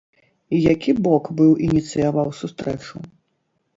Які бок быў ініцыяваў сустрэчу?